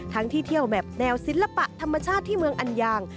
ที่เที่ยวแบบแนวศิลปะธรรมชาติที่เมืองอันยาง